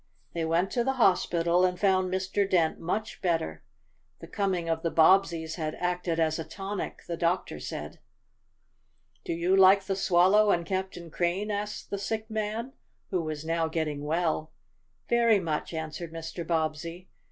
They went to the hospital, and found Mr. Dent much better. The coming of the Bobbseys had acted as a tonic, the doctor said. "Do you like the Swallow and Captain Crane?" asked the sick man, who was now getting well. "Very much," answered Mr. Bobbsey.